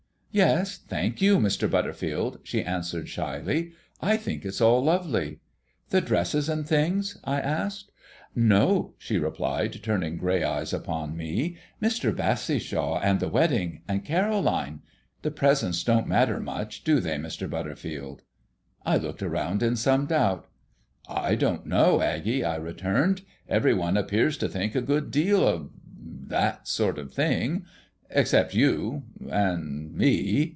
"Yes, thank you, Mr. Butterfield," she answered shyly. "I think it's all lovely." "The dresses and things?" I asked. "No," she replied, turning grey eyes upon me. "Mr. Bassishaw and the wedding and Caroline. The presents don't matter much, do they, Mr. Butterfield?" I looked around in some doubt. "I don't know, Aggie," I returned. "Every one appears to think a good deal of that sort of thing except you and me.